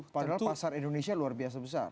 pasal pasal indonesia luar biasa besar